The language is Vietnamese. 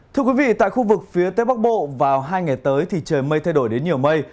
thưa quý vị tại khu vực phía tây bắc bộ vào hai ngày tới thì trời mây thay đổi đến nhiều mây